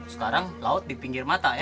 sekarang laut di pinggir mata ya